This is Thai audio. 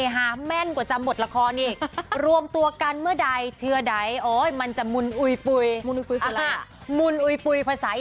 หลังจากจะนอนตัวเองก็ชอบพูด